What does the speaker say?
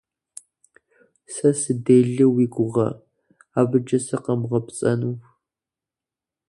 - Сэ сыделэ уи гугъэ, абыкӀэ сыкъэбгъэпцӀэну?